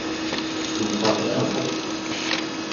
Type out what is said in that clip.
Du er foræret bort!